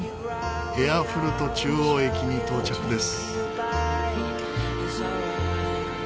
エアフルト中央駅に到着です。